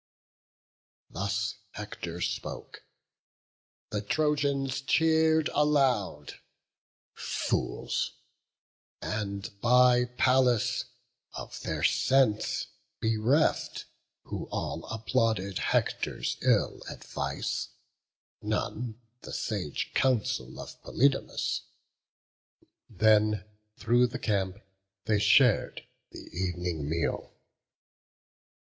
Thus Hector spoke; the Trojans cheer'd aloud: Fools, and by Pallas of their sense bereft, Who all applauded Hector's ill advice, None the sage counsel of Polydamas! Then through the camp they shar'd the ev'ning meal.